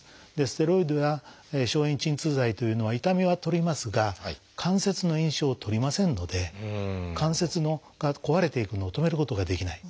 ステロイドや消炎鎮痛剤というのは痛みは取りますが関節の炎症を取りませんので関節が壊れていくのを止めることができない。